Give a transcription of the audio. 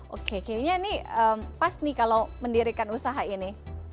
oke kayaknya ini pas nih kalau mendirikan usaha ini